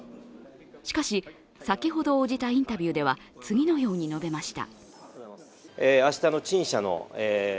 しかし、先ほど応じたインタビューでは次のように述べました。